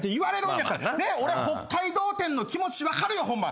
俺北海道展の気持ち分かるよホンマ。